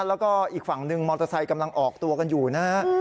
แล้วก็อีกฝั่งหนึ่งมอเตอร์ไซค์กำลังออกตัวกันอยู่นะฮะ